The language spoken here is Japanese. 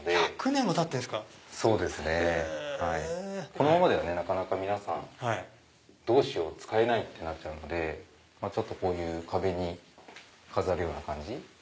このままではなかなか皆さん使えないってなっちゃうのでこういう壁に飾るような感じ。